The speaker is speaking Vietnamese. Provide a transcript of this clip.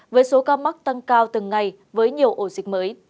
với số ca mắc tăng cao từng ngày với nhiều ổ dịch mới